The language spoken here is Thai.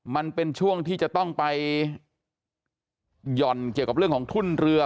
มันเป็นช่วงที่จะต้องไปหย่อนเกี่ยวกับเรื่องของทุ่นเรือ